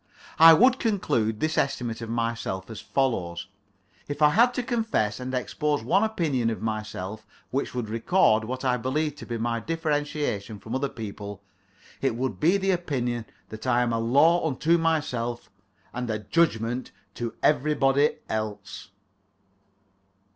I would conclude this estimate of myself as follows. If I had to confess and expose one opinion of myself which would record what I believe to be my differentiation from other people, it would be the opinion that I am a law unto myself and a judgment to everybody else.